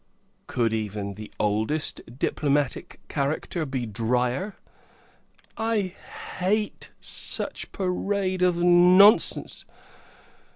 Could even the oldest diplomatic character be drier? I hate such parade of nonsense!